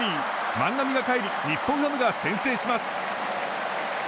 万波がかえり日本ハムが先制します。